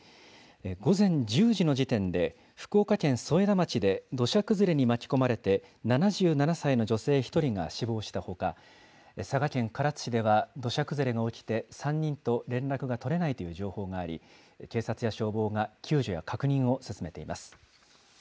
午前１０時の時点で、福岡県添田町で土砂崩れに巻き込まれて７７歳の女性１人が死亡したほか、佐賀県唐津市では土砂崩れが起きて３人と連絡が取れないという情報があり、警察や消防が救助や確認を進めています。